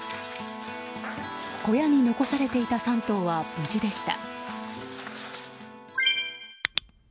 小屋に残されていた３頭は無事でした。